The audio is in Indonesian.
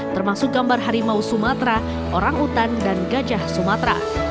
termasuk gambar harimau sumatera orang utan dan gajah sumatera